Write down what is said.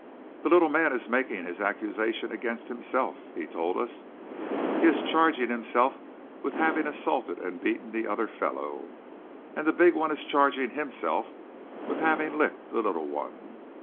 "The little man is making his accusation against himself!" he told us. "He is charging himself with having assaulted and beaten the other fellow. And the big one is charging himself with having licked the little one.